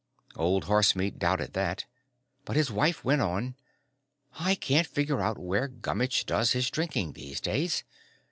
Old Horsemeat doubted that, but his wife went on, "I can't figure out where Gummitch does his drinking these days.